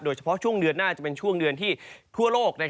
เฉพาะช่วงเดือนหน้าจะเป็นช่วงเดือนที่ทั่วโลก